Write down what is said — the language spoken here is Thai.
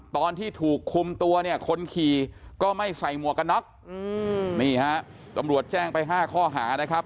ตอนที่ถูกคุมตัวเนี่ยคนขี่ก็ไม่ใส่หมวกกันน็อกนี่ฮะตำรวจแจ้งไป๕ข้อหานะครับ